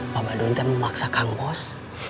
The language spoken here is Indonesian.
bapak duntian memaksa kang bos